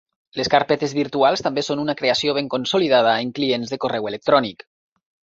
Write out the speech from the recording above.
Les carpetes virtuals també són una creació ben consolidada en clients de correu electrònic.